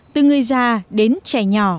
từ người già đến trẻ nhỏ